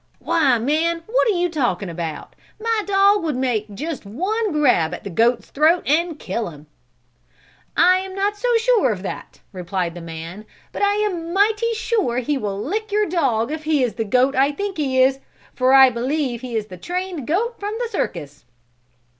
"Why, man what are you talking about? My dog would make just one grab at the goat's throat and kill him." "I am not so sure of that," replied the man, "but I am mighty sure he will lick your dog if he is the goat I think he is, for I believe he is the trained goat from the circus."